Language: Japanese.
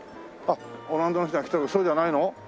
オランダの人が来たのそうじゃないの？